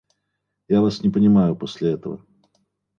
Я вас не понимаю после этого.